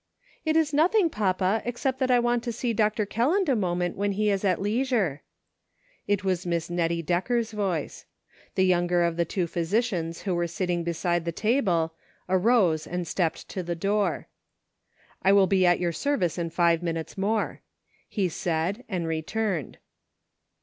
" It is nothing, papa, except that I want to see Dr. Kelland a moment when he is at leisure." It was Miss Nettie Decker's voice. The younger of the two physicians who were sitting beside the table, arose and stepped to the door, " I will be at your service in five minutes more,'* he said, and returned.